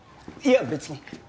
いや別に。